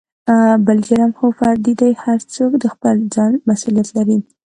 بل جرم خو فردي دى هر څوک دخپل ځان مسولېت لري.